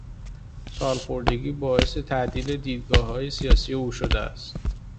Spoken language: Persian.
سالخوردگی باعث تعدیل دیدگاههای سیاسی او شده است.